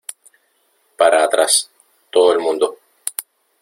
Para atrás, todo el mundo.